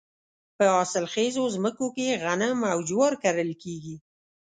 په حاصل خیزو ځمکو کې غنم او جوار کرل کیږي.